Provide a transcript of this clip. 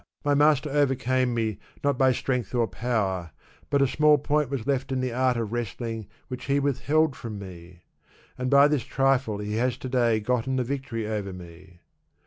my master overcame rae, not by strength or power, but a small point was left in the art of wrest ling which he withheld from me ; and by this trifle he has to day gotten the victory over me."